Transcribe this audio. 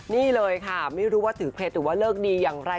นี่เลยค่ะไม่รู้ถึงตั้งไหนหรือเลิกดีอย่างไร